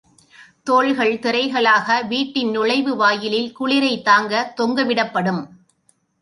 தோல்கள் திரைகளாக வீட்டின் நுழைவு வாயிலில் குளிரைத் தாங்கத் தொங்க விடப்படும்.